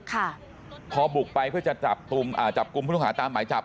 ค่ะพอบุกไปเพื่อจะจับกุมผู้ตรงหาตามหมายจับ